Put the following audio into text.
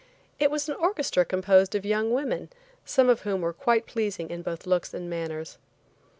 It was an orchestra composed of young women, some of whom were quite pleasing both in looks and manners.